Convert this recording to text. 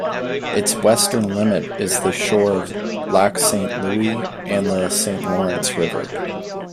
Its western limit is the shore of Lac Saint-Louis and the Saint Lawrence River.